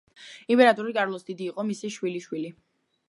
იმპერატორი კარლოს დიდი იყო მისი შვილიშვილი.